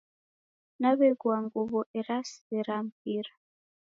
Naw'eghua nguw'o esarigha mpira.